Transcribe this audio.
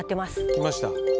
来ました。